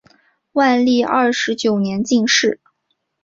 万历二十九年进士。